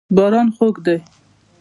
باران خوږ دی.